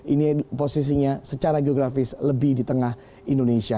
ini posisinya secara geografis lebih di tengah indonesia